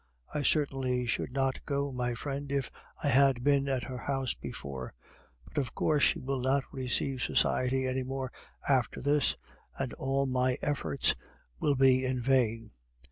I certainly should not go, my friend, if I had been at her house before; but, of course, she will not receive society any more after this, and all my efforts would be in vain.